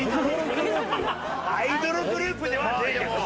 アイドルグループではねえけど。